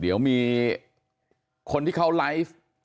เดี๋ยวมีคนที่เขาไลฟ์